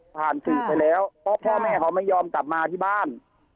ผ่านสื่อไปแล้วเพราะพ่อแม่เขาไม่ยอมกลับมาที่บ้าน